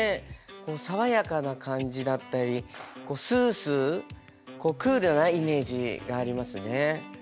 爽かな感じだったりスースークールなイメージがありますね。